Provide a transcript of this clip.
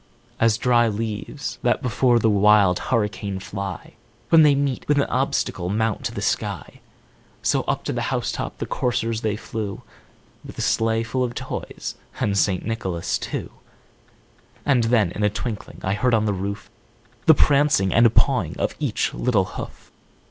s dry leaves that before the wild hurricane fly, When they meet with an obstacle, mount to the sky; So up to the house top the coursers they flew, With the sleigh full of Toys, and St. Nicholas too. nd then, in a twinkling, I heard on the roof The prancing and pawing of each little hoof.